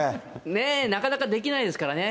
ね、なかなかできないですからね。